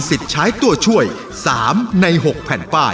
สวัสดีครับ